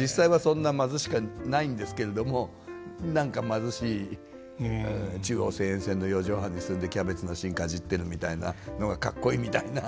実際はそんな貧しくはないんですけれども何か貧しい中央線沿線の四畳半に住んでキャベツの芯かじってるみたいなのがかっこいいみたいな。